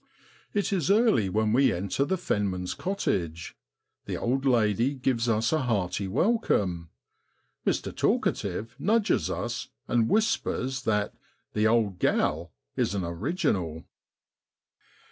It is early when we enter the fenman's cottage. The old lady gives us a hearty welcome. Mr. Talkative nudges us and whispers that ' the ' old gal ' is an original.'